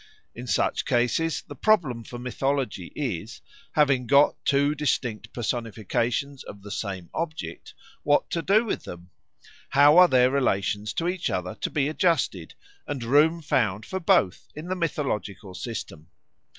In such cases the problem for mythology is, having got two distinct personifications of the same object, what to do with them? How are their relations to each other to be adjusted, and room found for both in the mythological system?